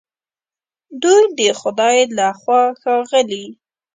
دوی د خدای له خوا ښاغلي